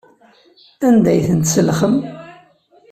Anda ay ten-tselxem?